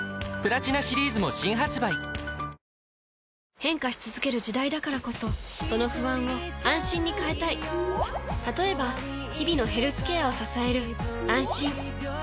変化し続ける時代だからこそその不安を「あんしん」に変えたい例えば日々のヘルスケアを支える「あんしん」